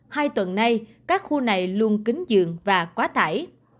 hai tuần nay các khu này luôn kính giường và quá tải